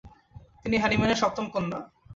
তিনি হ্যানিম্যানের সপ্তম কন্যা।